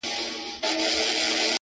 o سیاه پوسي ده، خُم چپه پروت دی،